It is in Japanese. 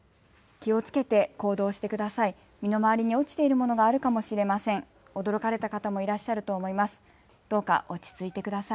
気をつけて行動してください。